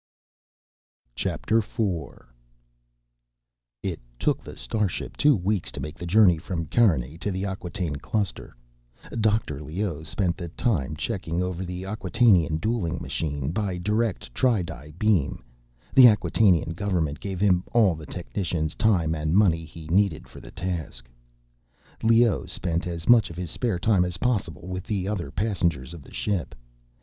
IV It took the starship two weeks to make the journey from Carinae to the Acquataine Cluster. Dr. Leoh spent the time checking over the Acquatainian dueling machine, by direct tri di beam; the Acquatainian government gave him all the technicians, time and money he needed for the task. Leoh spent as much of his spare time as possible with the other passengers of the ship.